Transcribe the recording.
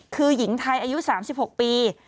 คือหญิงไทยอายุ๓๖ปี